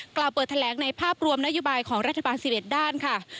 กล่าวเปิดแถลงในภาพรวมนโยบายของรัฐบาล๑๑ด้านค่ะ